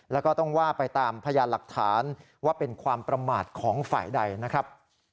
แล้วก็ต้องว่าไปตามพยานหลักฐานว่าเป็นความประมาทของฝ่ายใดนะครับ